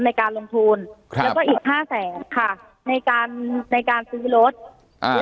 ในการลงทุนครับแล้วก็อีกห้าแสนค่ะในการในการซื้อรถอ่า